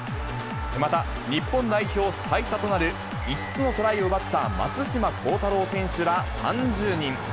また、日本代表最多となる５つのトライを奪った松島幸太朗選手ら３０人。